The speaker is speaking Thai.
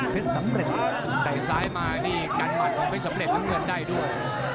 สำเร็จไต่ซ้ายมานี่กันหมัดของเพชรสำเร็จน้ำเงินได้ด้วย